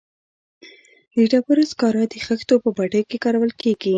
د ډبرو سکاره د خښتو په بټیو کې کارول کیږي